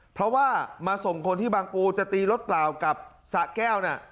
เพราะว่ามาส่งคนที่บางปูจะตีรถเปล่ากับสะแก้วน่ะ